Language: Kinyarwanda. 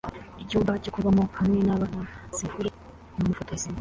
Icyumba cyo kubamo hamwe nabana sekuru numufotozi